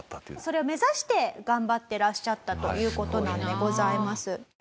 それを目指して頑張っていらっしゃったという事なんでございます。